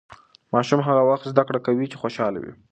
ماشوم هغه وخت زده کړه کوي چې خوشاله وي.